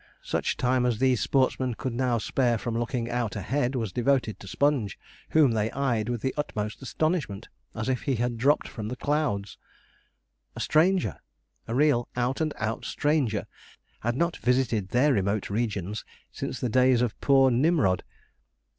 Such time as these sportsmen could now spare from looking out ahead was devoted to Sponge, whom they eyed with the utmost astonishment, as if he had dropped from the clouds. A stranger a real out and out stranger had not visited their remote regions since the days of poor Nimrod.